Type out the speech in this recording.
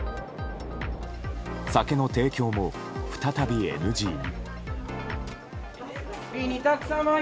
酒の提供も再びＮＧに。